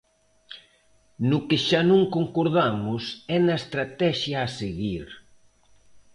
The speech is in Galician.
No que xa non concordamos é na estratexia a seguir.